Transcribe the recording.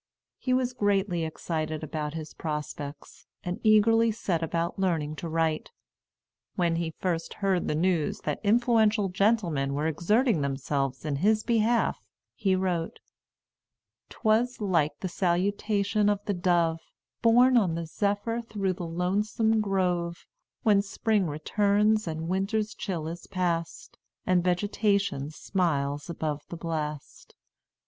He was greatly excited about his prospects, and eagerly set about learning to write. When he first heard the news that influential gentlemen were exerting themselves in his behalf, he wrote: "'Twas like the salutation of the dove, Borne on the zephyr through some lonesome grove, When spring returns, and winter's chill is past, And vegetation smiles above the blast.